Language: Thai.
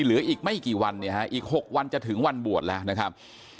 เหลืออีกไม่กี่วันเนี่ยฮะอีก๖วันจะถึงวันบวชแล้วนะครับ